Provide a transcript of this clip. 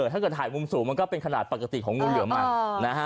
ถ้าเกิดถ่ายมุมสูงมันก็เป็นขนาดพกติกของมุมเหลือมาก